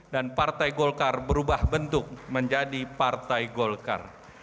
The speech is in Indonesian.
partai golkar berubah bentuk menjadi partai golkar